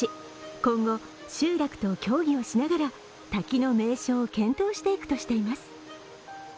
今後、集落と協議をしながら滝の名称を検討していくとしています。